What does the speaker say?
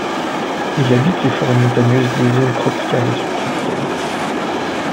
Il habite les forêts montagneuses des zones tropicales et subtropicales.